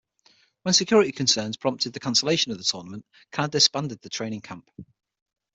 When security concerns prompted the cancellation of the tournament, Canada disbanded their training camp.